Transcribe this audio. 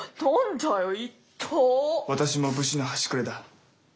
私も武士の端くれだ。